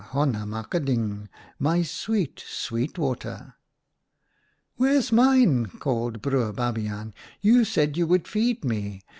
Honna mak a ding ! My sweet, sweet water !' "'Where's mine?' called Broer Babiaan. ' You said you would feed me.